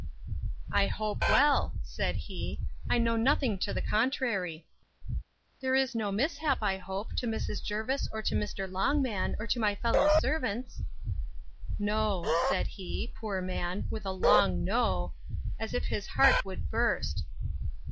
—I hope well, said he, I know nothing to the contrary. There is no mishap, I hope, to Mrs. Jervis or to Mr. Longman, or my fellow servants!—No—said he, poor man! with a long N—o, as if his heart would burst.